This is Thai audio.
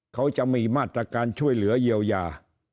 เขาจะมีมาตรการช่วยเหลือเยียวยา